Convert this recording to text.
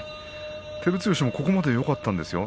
照強、ここまでよかったんですよね